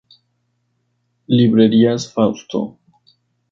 Librerías fausto.